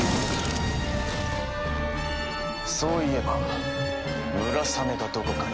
そういえばムラサメがどこかにいるはず。